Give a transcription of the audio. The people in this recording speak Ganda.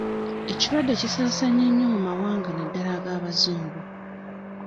Ekirwadde kisaasaanye nnyo mu mawanga naddala ag'abazungu.